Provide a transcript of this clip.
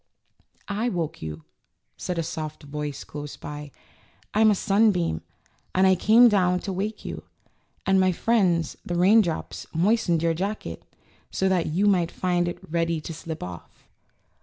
woke you," said a soft voice close by. ^^I'm a sunbeam and I came down to wake you; and my friends the raindrops moistened your jacket, so that you might find it ready to slip off."